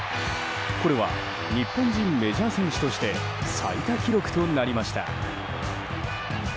これは日本人メジャー選手として最多記録となりました。